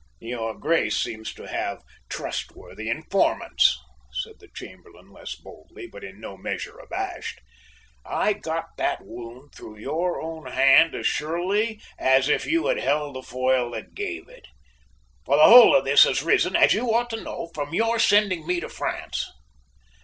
"Your Grace seems to have trustworthy informants," said the Chamberlain less boldly, but in no measure abashed. "I got that wound through your own hand as surely as if you had held the foil that gave it, for the whole of this has risen, as you ought to know, from your sending me to France."